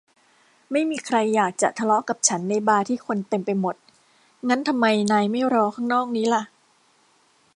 ไม่มีใครอยากจะทะเลาะกับฉันในบาร์ที่คนเต็มไปหมด งั้นทำไมนายไม่รอข้างนอกนี้ล่ะ